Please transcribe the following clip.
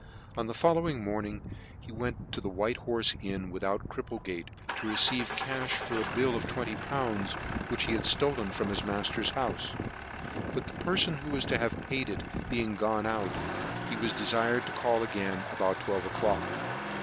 On the fol , lowing morning he went to the White Horfe Inn without Cripplegate, to receive cafli for a bill of twenty pounds which he had ftolen from his matters' houfe ; but the perfon who was to have paid it being gone out, he was defired to call again about twelve o'clock.